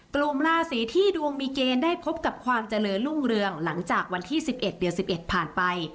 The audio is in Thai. กลุ่มราศีที่ดวงมีเกณฑ์ได้พบกับความเจริญรุ่งเรืองหลังจากวันที่๑๑เดือน๑๑ผ่านไป